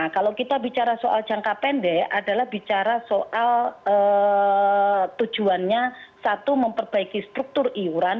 kalau kita bicara soal jangka pendek adalah bicara soal tujuannya satu memperbaiki struktur iuran